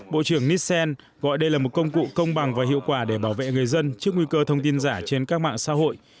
bộ trưởng nissan gọi đây là một công cụ công bằng và hiệu quả để bảo vệ người dân trước nguy cơ thông tin giả trên các mạng xã hội